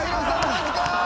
マジか！